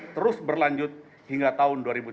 terus berlanjut hingga tahun dua ribu tujuh belas